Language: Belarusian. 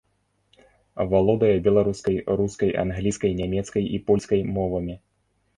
Валодае беларускай, рускай, англійскай, нямецкай і польскай мовамі.